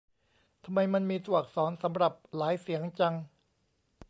ทำไมมันมีตัวอักษรสำหรับหลายเสียงจัง